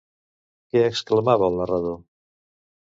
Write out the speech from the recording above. Què exclamava el narrador?